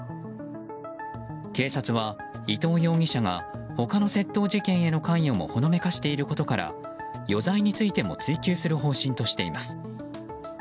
警察は、伊藤容疑者が他の窃盗事件への関与もほのめかしていることから余罪についても追及する方針としています。